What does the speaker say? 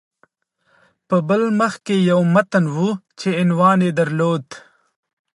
په بل مخ کې یو متن و چې عنوان یې درلود